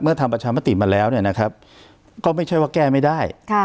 ทำประชามติมาแล้วเนี่ยนะครับก็ไม่ใช่ว่าแก้ไม่ได้